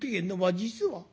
「実は」。